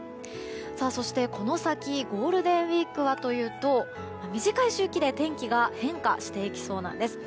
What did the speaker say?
そしてこの先ゴールデンウィークはというと短い周期で、天気が変化していきそうなんです。